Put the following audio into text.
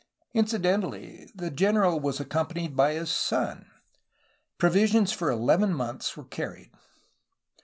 Incidentally, the general was accompanied by his son. Provisions for eleven months were carried.